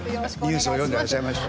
ニュースを読んでいらっしゃいました。